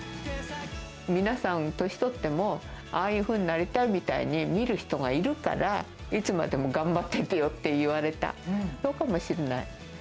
皆さん、年取っても、ああいうふうになりたいみたいに見る人がいるから、いつまでも頑張っててよって言われた、そうかもしれない。